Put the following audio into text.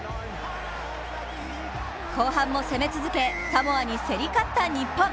後半も攻め続け、サモアに競り勝った日本。